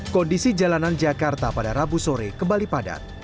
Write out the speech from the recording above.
kondisi jalanan jakarta pada rabu sore kembali padat